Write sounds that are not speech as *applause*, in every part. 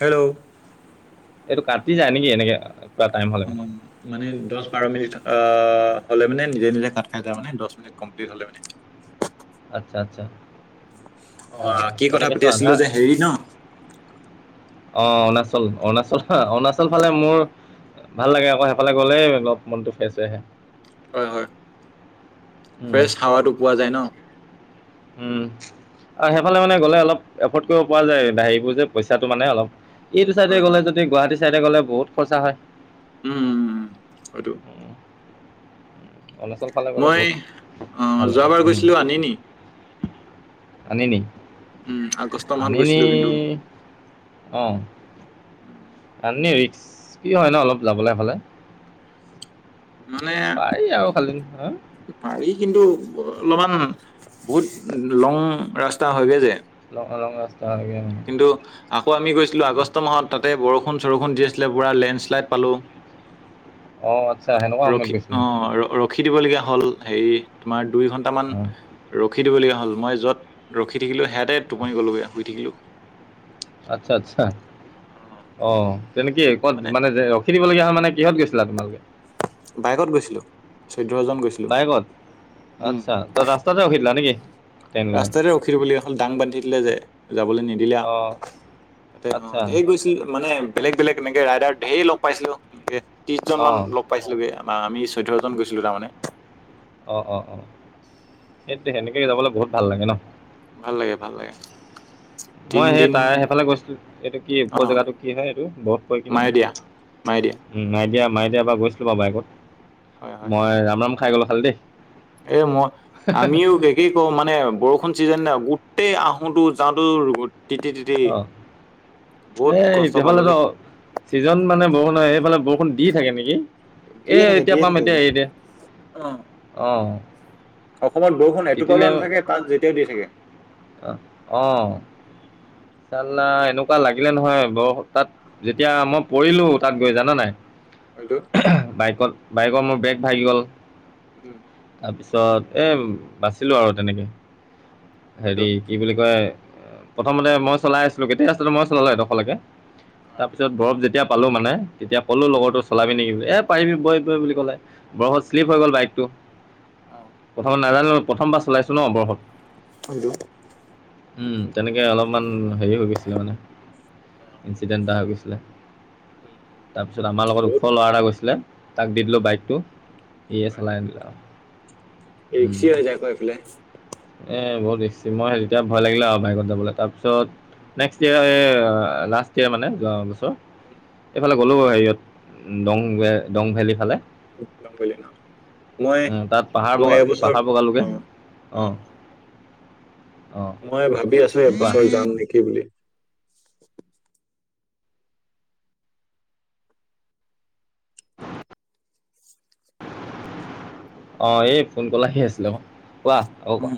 Hello এইটো কাটি যায় নেকি এনেকে কিবা টাইম হ'লে অ মানে মানে দছ বাৰ মিনিট অ হ'লে মানে নিজে নিজে কাট খাই যায় মানে দছ মিনিট কমপ্লিট হলে মানে আচ্ছা আচ্ছা আহ অ', কি কথা এনেকে পাতি চোৱা আধা আছিলো যে হেৰি ন অ অৰুণাচল অৰুণাচল অৰুণাচল ফালে মোৰ ভাল লাগে আকৌ সেইফালে গ'লেই অলপ মনতটো ফেৰেচ হৈ হয় হয় উম, ফ্ৰেছ হাৱাটো পোৱা যায় ন উম আৰু সেইফালে মানে গ'লে অলপ এফৰ্ড কৰিব পৰা যায় হেৰিবোৰ যে পইচাটো মানে অলপ এইটো চাইডে হয় গ'লে হয়। যদি গুৱাহাটী চাইডে গ'লে বহুত খৰচা হয় উম উম উম, অৰুণাচল ফালে গ'লে মই বহুত অ যোৱাবাৰ গৈছিলো আনি নি আনি নি উম, আগষ্ট মাহত আনি নি গৈছিলো কিন্তু অ আ নে ৰিক্স কি হয় ন অলপ যাবলৈ সেই ফালে মানে আৰু খালি হা পাৰি কিন্তু *unintelligible* বহুত লং ৰাস্তা হয়গৈ যে লং লং ৰাস্তা লাগে কিন্তু আকৌ আমি গৈছিলো আগষ্ট মাহত তাতে বৰষুণ বৰষুন চৰখন দি আছিলে পুৰা লেণ্ডশ্লাইড পালোঁ অঁ আচ্ছা সেনেকুৱা সময়ত ৰখি অ গৈছিলা ৰখি দিবলগীয়া হ'ল হেৰি তোমাৰ দুই ঘন্টামান অঁ ৰখি ৰখি দিবলীয়া হ'ল মই যত ৰখি থাকিলো সেয়াতে টোপনি গলোগে শুই থাকিলো আচ্ছা আচ্ছা অ তেনেকে ক'ত মানে ৰখি দিবলগীয়া হয় মানে মানে কিহত গৈছিলা তোমালোকে বাইকত গৈছিলো চৈধ্যজন গৈছিলো বাইকত উম আচ্ছা ত ৰাস্তাতে ৰখিধিলা নেকি ট্ৰেইন লগাই ৰাস্তাতে ৰখিলো বুলি অকল দাং বান্ধি দিলে যে যাবলৈ নিদিলে অঁ তাতে অ আচ্ছা এই গৈছিল মানে বেলেগ বেলেগ এনেকে ৰাইদাৰ ধেৰ লগ পাইছিলো ত্ৰিশজন অঁ মান লগ পাইছিলোগে বা আমি চৈধ্্যজন গৈছিলো তাৰমানানে অ অ অ সেইটো সেনেকে যাবলৈ বহুত ভাল লাগে ন ভাল লাগে ভাল লাগে মই সেই তিনদিন তাই সেইফালে গৈছিলো এইটো কি অ' উপজেগাটো কি হয় এইটো বধ পৰি কি নাম মায়ে দিয়া মায়ে দিয়া উ মাইদিয়া মই বা গৈছিলো বাৰু বাইকত হয় হয় মই ৰামৰাম খাই গলো খালি দেই এ মই আমিও কি কওঁ মানে বৰষুণ যে ন গোটেই আহোতো যাওঁটো অঁ *unintelligible* বহুত এই কষ্ট এতিয়া পালো ফালেতো দেই চিজন মানে বৰষুণ সেইফালে বৰষুণ দি থাকে নেকি এ দিয়ে থাকে এতিয়া দিয়ে পাম থাকে এতিয়া যে হেৰি এতিয়া অ অ অসমত বৰষুণ এটোপালো নাথাকে তাত যেতিয়াও দি থাকে অ চালা এনেকুৱা লাগিলে নহয় বৰ তাত যেতিয়া মই পৰিলো তাত গৈ জানা নাই হয়তো বাইকত - বাইকৰ মোৰ বেগ ভাগি গ'ল। উম। তাৰপিছত এ বাচিলো আৰু তেনেকে। হয়তো হেৰি কি বুলি কয় প্ৰথমতে মই চলাই আছিলো, কেতিয়া আছিল মই চলালো *inaudible* অ তাৰপিছত বৰফ যেতিয়া পালো মানে তেতিয়া কলো উম লগৰটো চলাবি নেকি এ' পাৰিবি বৈ- বৈ বুলি ক'লে বৰফত শ্লিপ উম হৈ গ'ল বাইকটো অ প্ৰথমত নাজানো। প্ৰথমবাৰ চলাইছোঁ ন বৰফত। অটো *inaudible* উম তেনেকে অলপমান হেৰি হৈ গৈছিলে মানে ইনঞ্চিডেণ্ট এটা হৈ গৈছিলে। তাৰপিছত আমাৰ লগত ওখ ৰ'দ ল'ৰা এটা গৈছিলে তাক দি দিলো বাইকটো। ই চলাইন দিল একশি হাজাৰ কৰি প্লে উম, নিশ্চি মই তেতিয়া ভয় লাগিলে আৰু বাইকত যাবলৈ তাৰপিছত নেক্সট ইয়েৰ লাষ্ট ইয়েৰ মানে য এইফালে গ'লো হেৰিয়ত দং - দং ভেলী ফালে। জাম বুলি ল ন *unintelligible* উম, তাত পাহাৰ মই-মই বগা এবছৰ পাহাৰ বগালোগে অ', অঁ অ', অ', অঁ মই ভাবি আছো কোৱা এবছৰ যাম নেকি বুলি? অ, এই ফোন কলাহে আছিলে অ, কোৱা আকৌ কোৱা?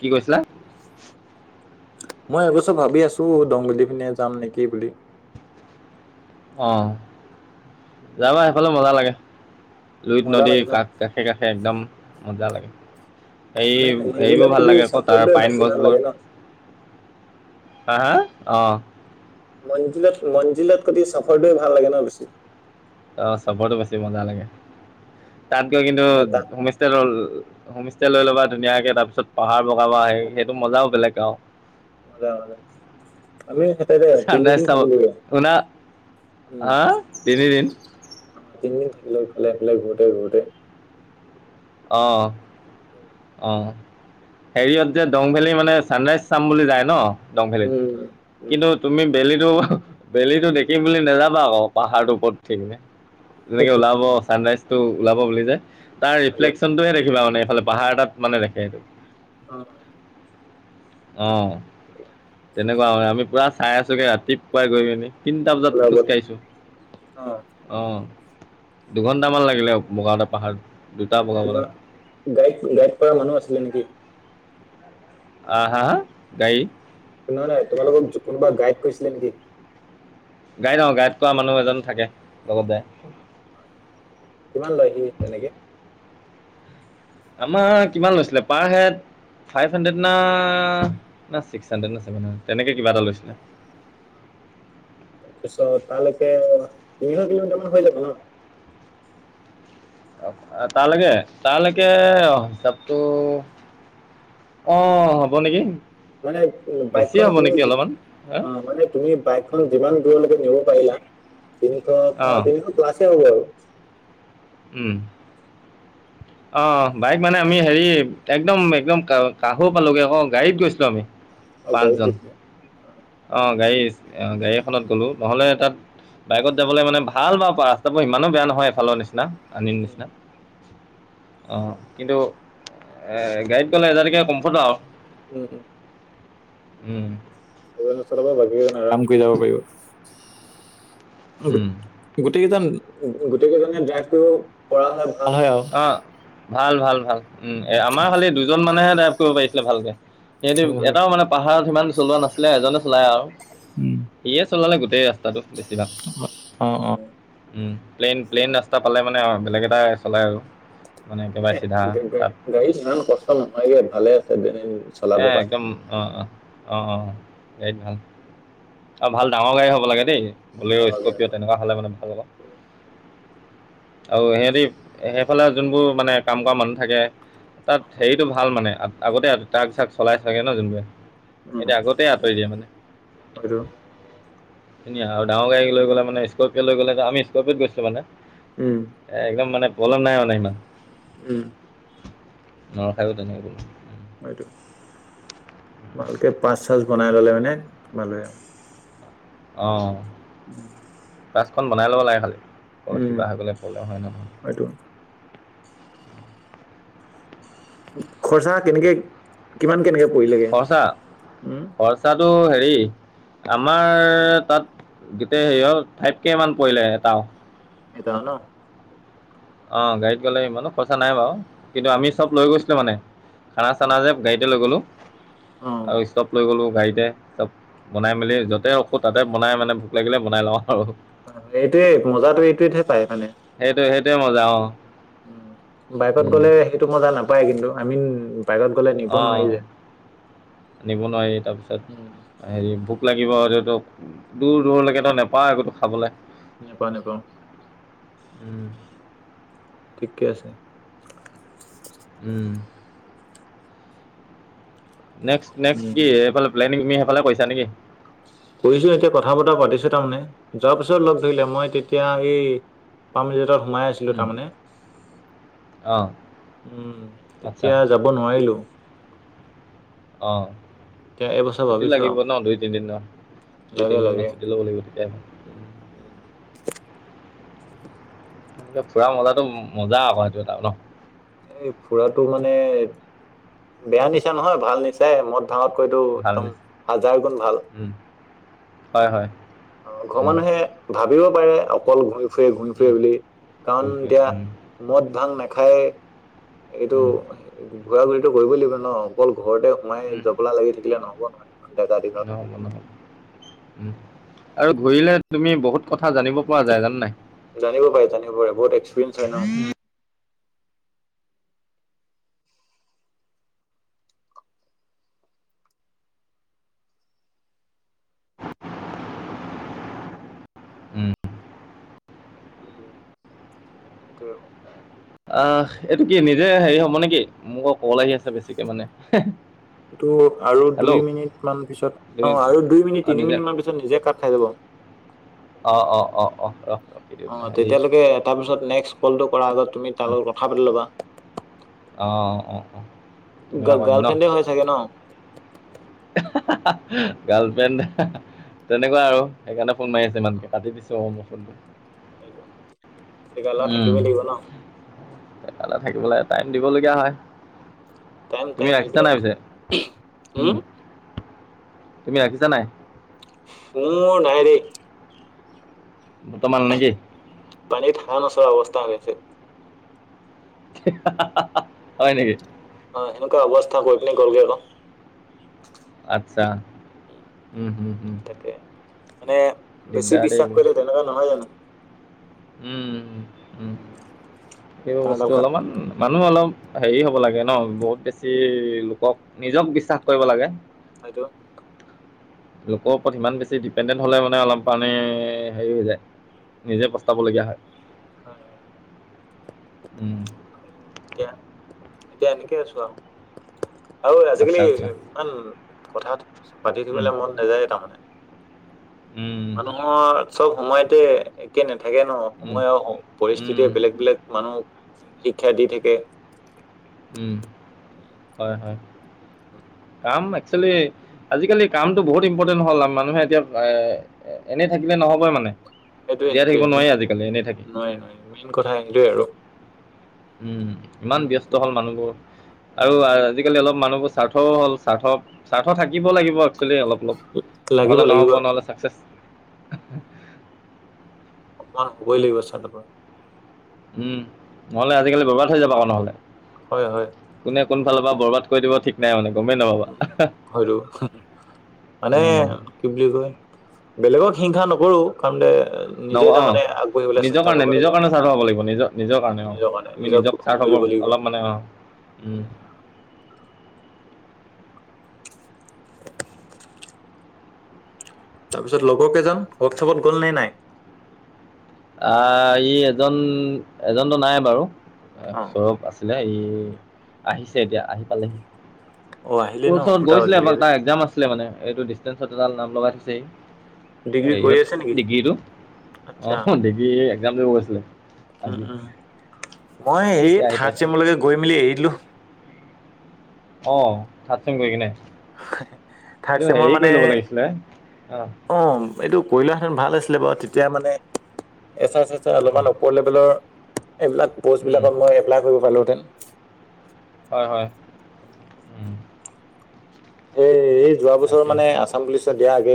কি কৈছিলা? মই এবছৰ ভাবি আছো দংগি পিনে যাম নেকি বুলি? অ, যাবা সেইফালে মজা লাগে। লুইত মজা নদীৰ লাগে ন কাষ কাষে - কাষে একদম মজা লাগে। এই মানে হেৰিবোৰ মঞ্জিলত ভাল কবি লাগে আক তাৰ চাফৰটোৱে পাইন বেছি ভাল লাগে গছবোৰ ন। আহ, হা আহ, মঞ্জিলত ম্জিলত কতি চাফৰটোৱে ভাল লাগে ন বেছি। অ, চবো বেছি মজা লাগে তাত গৈ কিন্তু মানে তাত হোমষ্ট হোম ষ্টে লৈ ল'বা ধুনীয়াকে তাৰ পিছত পাহাৰ বগাব আহে সেইটো মজাও বেলেগ আৰু। মজা ম আমি স তিনিদিন থাকিলো। আহ, তিনিদিন? তিনিদিন থাকিলে ইফালে সিফালে ঘূৰোতে-ঘূৰোতে। অ'। অ'। হেৰি য়ত যে ডং ভেলী মানে ছানৰাইজ চাম বুলি যায় ন'? ডং ভেলীত। উম উম। কিন্তু তুমি বেলি টো- বেলিটো দেখিম বুলি নাযাবা আকৌ পাহাৰটোৰ ওপৰত উঠি কেনে। তেনেকে ওলাব চানৰাইজটো ওলাব বুলি যে, তাৰ আৰু ৰিফ্লেকচনটোহে দেখিবা মানে এইফালে পাহাৰ এটাত মানে দেখে এইটো। অ'। অ'। তেনেকুৱা হয়। আমি পূৰা চাই আছোঁগে ৰাতিপুৱাই গৈকেনি। তিনিটা বজাত ওলাব অ খোজকাঢ়িছোঁ, অ'। দুঘন্টামান লাগিলে বগাওটে পাহাৰ। তোমাৰ গাইড- গাইড কৰা মানুহ আছিলে নেকি? আ- হা- গাই? নহয় - নহয়, তোমালোকক যো- কোনোবা গাইড কৰিছিলে নেকি? গাইড- অ'- গাইড কৰোৱা মানুহ এজন থাকে লগতে। কিমান লয় সি তেনেকে? আমাৰ কিমান লৈছিলে? পাৰ হেড - ফাইভ হাণ্ড্ৰেড না, না চিক্স হাণ্ড্ৰেড না ছেভেন হয়, তেনেকে কিবা এটা লৈছিলে। তাৰপিছত তালেকে, তিনিশ কিলোমিটাৰ মান হৈ যাব ন? অ তালেকে, তালেকে অ- ত, অ হ'ব নেকি? মানে বেছি বাইকখন হ'ব তুমি, নেকি অলপমান হা অ মানে তুমি বাইকখন যিমান দূৰলৈকে নিব পাৰিলা। তিনিশ, অ অঁ তিনিশ প্লাছে হব আৰু। উম। অ বাইক মানে আমি হেৰি, একদম একদম কাহো পালোগ ক, গাড়ীত গৈছিলো আমি। অ' গাড়ীত আহিছিলে। অ' গাড়ী আহিছিল অহ' নহ'লে তাত বাইকত যাবলৈ মানে ভাল বাৰু পাৰা, ৰাস্তাবোৰ ইমানো বেয়া নহয় এফালৰ নিচিনা আলিৰ উম নিচিনা। অ' কিন্তু এই গাড়ীত গ'লে আজাটিকে কমফৰ্ট আহ উম। উম। এজনে চলাব লাগেই আৰাম কৰি যাব পাৰিব। অহ' গোটেই কেইজন গোটেই কেইজনে ড্ৰাইভ কৰিব পৰা হয় ভাল হয় আহ অঁ ভাল, ভাল, ভাল উম, আমাৰ খালি দুজন মানেহে ড্ৰাইভ কৰিব পাৰিছিলে ভালকে। সিহঁতে হয় হয় এটাও মানে পাহাৰত সিমান চলোৱা নাছিলে এজনে চলায় আহ উম সিয়ে চলালে গোটেই ৰাস্তাটো বেছিভাগ অ অ উম। প্লেইন প্লেইন ৰাস্তা পালে মানে বেলেগ এটা চলাই আৰু মানে একেবাৰে এই চিধা গা গা তাত গাড়ীত ইমান কষ্ট নহয়গে ভালে আছে যেনে চলাব এ কাৰণে একদম অ' অ' অ' অ' গাড়ীত ভাল আৰু ভাল ডাঙৰ গাড়ী হ'ব লাগে দেই। বলেৰু, ডাঙৰ স্কৰপিঅ গাড়ী তেনেকুৱা হ'লে মানে ভাল অ'ক আৰু সিহঁতি সেইফালে যোনবোৰ মানে কাম কৰা মানুহ থাকে তাত অ হেৰিটো ভাল মানে আগতে ট্ৰাক চাক চলাই চাগে ন জোনবোৰে। সিহঁতে উম আগতেই আঁতৰি দিয়ে মানে। হয়টো ধুনীয়া আৰু ডাঙৰ লৈ গ'লে মানে স্কৰপিঅ লৈ গ'লে আমি স্কৰপিঅত গৈছোঁ মানে উম, এ একদম মানে প্ৰব্লেম নাই মানে ইমান উম। নৰখায়ো তেনেকৈ গ'লে। হয়তো ভালকে পাঁচ চাচ বনাই ললে মানে তোমালৈ আও অ, উম কাছখন বনাই ল'ব লাগে খালি, তলত উম, কিবা হৈ গ'লে প্ৰব্লেম হয় নহয়। হয়টো খৰচা কেনেকে কিমান কেনেকে পৰিলেগে উম টো হেৰি আমাৰ তাত গোটেই হেৰিয়াত ফাইভ কে মান পৰিলে এটাও এইটোও ন অ গাড়ীত গ'লে ইমানো খৰচা নাই বাৰু কিন্তু আমি নাই চব নাই লৈ গৈছিলো মানে খানা হয় চানা যে গাড়ীতে লৈ গলো অ, আৰু ষ্টপ লৈ গলো গাড়ীতে চব বনাই মেলি য'তে ৰখোঁ তাতে বনাই মানে ভোক লাগিলে বনাই লওঁ আৰু হয় হয় এইটোৱে মজটো এইটোৱেহে পায় মানে এইটোৱে মজা অ উম বাইকত গ'লে সেইটো মজা নাপায় কিন্তু আমিন বাইকত গলে নিব অঁ নোৱাৰি যে নিব নোৱাৰি উম, তাৰপিছত হেৰি ভোক লাগ লাগিব তোতোক দূৰ দূৰলৈকেতো নাপাৱে একোতো খাবলে নেপাওঁ নেপাওঁ উম ঠিকে আছে উম নেক্সট নেক্সট উম, কি এইফালে প্লেনি তুমি সেইফালে কৈছা নেকি কৰিছোঁ এতিয়া কথা বতৰা পাতিছোঁ, তাৰমানে যোৱাৰ পিছত লগ ধৰিলে মই তেতিয়া এই *unintelligible* এটাত সোমাই আছিলোঁ উম, তাৰমানে। অঁ উম, তেতিয়া যাব নোৱাৰিলোঁ। অ', এতিয়া এইবছৰ *unintelligible* ভাবিছো লাগিব আৰু ন? দুই তিনদিনৰ? দুই, লাগে তিনদিন লাগে। মান ছুটি ল'ব লাগিব তেতিয়াহে। উম, উম। এ, ফুৰা মজাতো মজা আকৌ সেইটো এটা ন? এই ফুৰাটো মানে বেয়া নিচা নহয়, ভাল নিচায়ে মদ, ভাঙত কৈতো ভাল একদম নিচ- হাজাৰ গুণ ভাল। উম, হয়, হয়। অ', ঘৰৰ উম, মানুহে ভাবিব পাৰে অকল ঘূৰি ফুৰে, ঘূৰি ফুৰে উম, বুলি কাৰণ ঘূৰি ফুৰা, এতিয়া উম, মদ, ভাং নাখায়ে। এইটো উম, ঘূৰা, ঘূৰিটো কৰিবই লাগিব ন? অকল ঘৰতে সোমাই উম, জবলা লাগি থাকিলে নহ'ব নহয়, ডেকা নহ'ব দিনত। নহ'ব উম, আৰু ঘূৰিলে তুমি বহুত কথ কথা জানিব পৰা যায় জানানে নাই? জানিব পাৰে জানিব পাৰে বহুত এক্সপিৰিয়েঞ্চ হয় উম। *unintelligible* আস, এইটো কি নিজে হেৰি হ'ব নেকি? মোক *unintelligible* আহি আছে বেছিকে মানে। এইটো আৰু দুই হেল্ল' মিনিট মান পিছত তুমি অ', আৰু দুই মিনিট, অঁ, তিনি নিজে মিনিট মান পিছত নিজে কাট খাই যাব। অ', অ', অ', অ', অ'। অ', তেতিয়ালৈকে তাৰপিছত নেক্স ক'লটো কৰাৰ আগত তুমি তাৰ উম, লগত কথা পাতি ল'বা। অ', অ', অ', অ', তেনেকুৱা গ কৰিম গাৰ্লফ্ৰেণ্ডে হৈ চাগে ন? গাৰলফ্ৰেণ্ড তেনেকুৱা আৰু সেইকাৰণে ফোন মাৰি আছে ইমানকে কাটি দিছো অ' মোৰ ফোনটো। সেইটো এগ লৰা থাকিবই লাগিব ন। ে থাকিবলৈ টাইম দিবলগীয়া হয়। টাইম তুমি টাইম ৰাখিছা এইবিলাক নাই পিছে? উম। তুমি ৰাখিছা নাই? মোৰ নাইৰে। ব্তমান নেকি? পানী হা নচৰা অৱস্থা হৈ আছে। হয় নেকি? অ' সেনেকুৱা অৱস্থা গৈ পিনি কৰ গেকৌ। আচ্ছা, উম হম হম। তাকে মানে বেছি বিশ্বাস কৰিলে তেনেকুৱা নহয় জানো? উম উ উম সেইবোৰ তাঁৰডাল বস্তু কাট অলপমান মানুহ অলপ হেৰি হব লাগে ন বহুত বেছি লোকক নিজক বিশ্বাস কৰিব লাগে। আ লোকৰ ওপৰত ইমান বেছি ডিপেণ্ডেণ্ট হলে মানে অলম পণে হেৰি হৈ যায়। নিজে পস্তাবলগীয়া হয়। হয় হয় উম, এতিয়া এতিয়া এনেকে আছো আৰু। আৰু আচ্ছা আজিকালি আচ্ছা ইমান কথা পাতি উম, থাকিবলৈ মন নাযায়েই তাৰমানে। *inaudible* মানুহৰ চব সময়তে একে নাথাকে ন, উম, সময়ৰ উম, পৰিস্থিতিয় বেলেগ বেলেগ। মানুহক শিক্ষা দি থাকে। উম, হয় হয়। অ' একচেলি আজিকালি কামতটো বহুত ইম্পৰ্টেণ্ট হল মানুহে এতিয়া এ এনেই থাকিলে নহবই মানে। সেইটোৱে জীয়াই থাকিব সেইটোৱেই নোৱাৰি আজিকালি এনেই থাকি নাই ন মেইন কথা সেইটোৱে আৰু। উম ইমান উম ব্যস্ত প- হল মানুহবোৰ আৰু উম, আজিকালি অলপ মানুহ ব স্বাৰ্থও হ'ল স্বাৰ্থ স্বাৰ্থ থাকিব লাগিব। একেল অলপ অলপ লাগিব নহলে লাগিব নহ'ব নহলে চাকচেচ অকমান হ'বই লাগিব চানপ উম নহলে আজিকালি ব'ৰবাত হৈ যাবা আৰু নহ'লে। হয় হয়। কোনে কোনফালৰ পৰা বৰবাদ কৰি দিব ঠিক নাই মানে। গমেই নাপাবা উ হয়তো মানে উম, কি বুলি কয়, বেলেগত হিংসা নকৰোঁ কাৰণ ন নিজে তাৰমানে আগবাঢ়িবলৈ অ' নিজৰ চেষ্টা কাৰণে কৰিব লাগিব নিজৰ কাৰণে চাৰ্থ হব লাগিব নিজ উম, নিজৰ কাৰণে অ' তুমি নিজক চাৰ্থ সময় দিব লাগিব অলপ মানে অ', উম। তাৰপিছত তাৰপিছত লগৰ কেজন ৱৰ্কশ্বপত গ'ল নে নাই? আহ ই এজন এজনতো নাই বাৰু, অ সৌৰৱ আছিলে ই ই আহিছে এতিয়া, আহি পালেহি। অ আহিলে তোৰ ন ওচৰত দুটা গৈছিলে এবাৰ বাজিলেগে যে তাৰ এক্সাম আছিলে মানে এইটো ডিন্ঞ্চেত এডাল নাম লগাই থৈছেই। ডিগ্ৰী কৰি হেৰিয়ত আছে নেকি? ডিগ্ৰীটো আচ্ছা অ' হিৰ এক্সাম দিব গৈছিলে উম আজি। উম মই এই এতিয়া আহি থ্ৰাৰ্ড পাইছে চেমলৈকে গৈ মেলি এৰি দিলোঁ। অ' থ্ৰাড চেম গৈ কিনে। এইটো থাৰ্ড চেমৰ হেৰি মানে, কৰি ল'ব লাগিছিলে অঁ অ'। এইটো কৰিলোৱা হেঁতেন ভাল আছিলে বাৰু, তেতিয়া মানে এচাই, চেচাই উম, অলপমান ওপৰ লেভেলৰ এইবিলাক উম, পষ্টবিলাকত মই এপ্লাই কৰিব পাৰিলোহেঁতেন। হয়, হয়, উম। সেই এই যোৱা বছৰ তাকে। মানে আসাম পুলিচত দিয়াৰ আগে